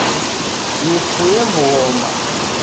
Nifuye wughoma